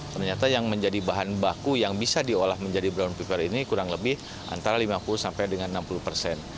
ternyata yang menjadi bahan baku yang bisa diolah menjadi brown peopper ini kurang lebih antara lima puluh sampai dengan enam puluh persen